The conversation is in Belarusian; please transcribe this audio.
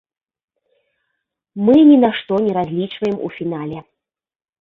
Мы ні на што не разлічваем у фінале.